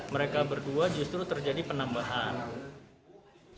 mereka berdua justru terjadi penambahan